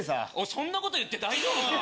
そんなこと言って大丈夫か？